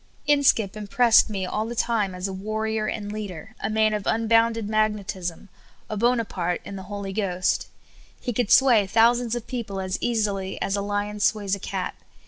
Inskip impressed me all the time as a warrior and leader, a man* of unbounded magnetism, a Bonaparte THE DOMINANT SOUI. QUALITY. 79 in the Hol}^ Ghost. He could sway thousands of peo ple as easily as a lion sways a cat.